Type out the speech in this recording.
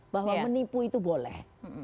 bahwa menipu itu boleh